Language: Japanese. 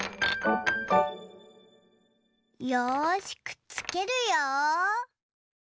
よしくっつけるよ。